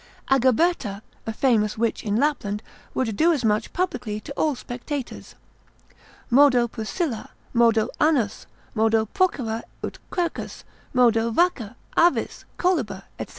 Agaberta, a famous witch in Lapland, would do as much publicly to all spectators, Modo Pusilla, modo anus, modo procera ut quercus, modo vacca, avis, coluber, &c.